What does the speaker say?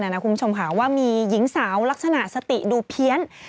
คุณผู้ชมค่ะว่ามีหญิงสาวลักษณะสติดูเพี้ยน